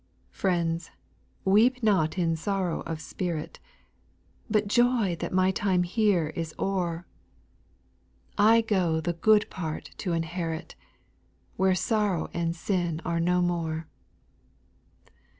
Friends, weep not in sorrow of spirit, But joy that my time here is o'er ; 8PIR1TUA L SONGS. 85 I go the good part to inherit, Where sorrow and sin are no more.